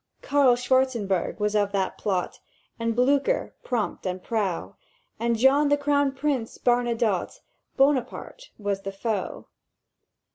"Carl Schwarzenberg was of the plot, And Blücher, prompt and prow, And Jean the Crown Prince Bernadotte: Buonaparte was the foe.